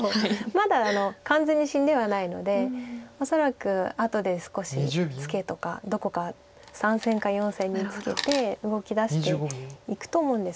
まだ完全に死んではないので恐らく後で少しツケとかどこか３線か４線にツケて動きだしていくと思うんですけど。